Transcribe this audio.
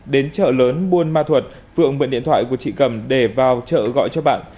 đến chợ lớn buôn ma thuật phượng mượn điện thoại của chị cầm để vào chợ gọi cho bạn